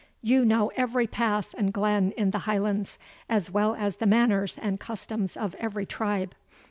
You know every pass and glen in the Highlands, as well as the manners and customs of every tribe.